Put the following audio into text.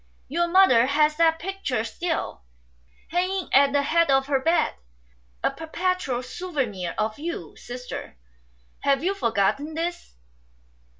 Your mother has that picture still, hanging at the head of her bed, a perpetual souvenir of you. Sister, have you forgotten this